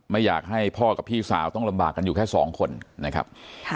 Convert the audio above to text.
ไม่อยากให้พ่อกับพี่สาวต้องลำบากกันอยู่แค่สองคนนะครับ